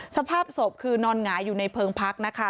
สภาพศพคือนอนหงายอยู่ในเพลิงพักนะคะ